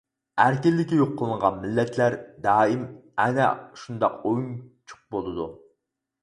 ئەركىنلىكى يوق قىلىنغان مىللەتلەر دائىم ئەنە شۇنداق ئويۇنچۇق بولىدۇ.